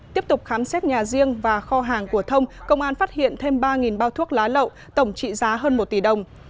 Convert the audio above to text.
tiếp tục khám xét nhà riêng và kho hàng của thông công an phát hiện thêm ba bao thuốc lá lậu tổng trị giá hơn một tỷ đồng